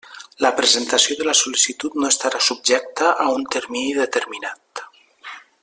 La presentació de la sol·licitud no estarà subjecta a un termini determinat.